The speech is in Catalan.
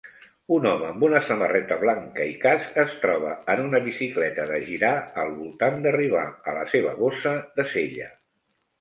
Un home amb una samarreta blanca i casc es troba en una bicicleta de girar al voltant d'arribar a la seva bossa de Sella